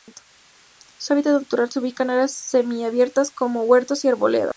Su hábitat natural se ubica en áreas semiabiertas, como huertos y arboledas.